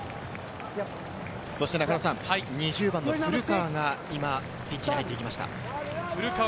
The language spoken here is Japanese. そして２０番の古川が今、ピッチに入っていきました。